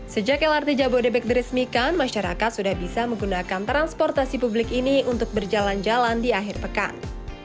sejak lrt jabodebek diresmikan masyarakat sudah bisa menggunakan transportasi publik ini untuk berjalan jalan di akhir pekan